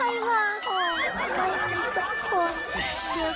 ไม่มีสักคน